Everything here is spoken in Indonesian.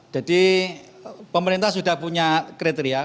jadi pemerintah sudah punya kriteria